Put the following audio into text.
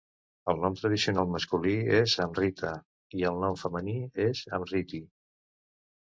El nom tradicional masculí és Amritha i el nom femení és Amrithi.